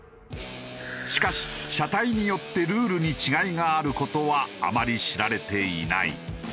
しかし車体によってルールに違いがある事はあまり知られていない。